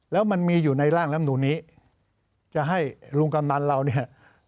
แล้วมันมีอยู่ในร่างลำนูนนี้จะให้ลุงกำนันเราเนี่ย